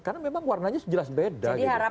karena memang warnanya jelas beda gitu